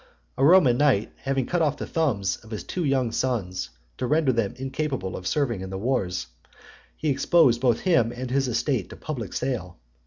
A Roman knight having cut off the thumbs of his two young sons, to render them incapable of serving in the wars, he exposed both him and his estate to public sale.